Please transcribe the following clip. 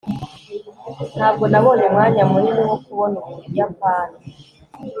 ntabwo nabonye umwanya munini wo kubona ubuyapani